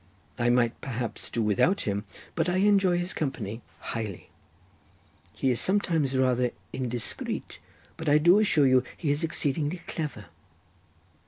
I might perhaps do without him, but I enjoy his company highly. He is sometimes rather indiscreet, but I do assure you he is exceedingly clever."